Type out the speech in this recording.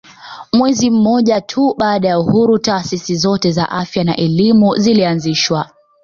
Mwezi mmoja tu baada ya uhuru taasisi zote za afya na elimu zilianzishwa